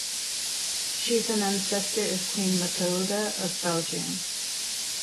She is an ancestor of Queen Mathilde of Belgium.